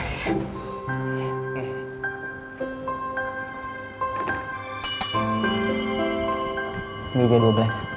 ini dia dua belas